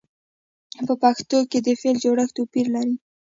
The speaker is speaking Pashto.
په پښتو کې د فعل جوړښت توپیر لري.